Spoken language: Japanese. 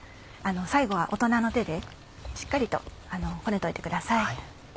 最後は大人の手でしっかりとこねといてください。